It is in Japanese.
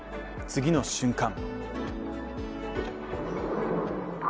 次の瞬間